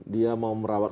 dia mau merawat